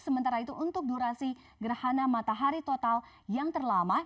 sementara itu untuk durasi gerhana matahari total yang terlama